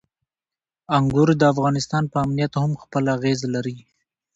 انګور د افغانستان په امنیت هم خپل اغېز لري.